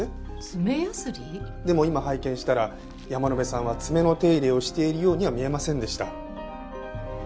でも今拝見したら山野辺さんは爪の手入れをしているようには見えませんでした。